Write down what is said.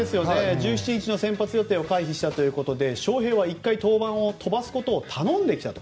１７日の先発予定を回避したということでショウヘイは１回登板を飛ばすことを頼んできたと。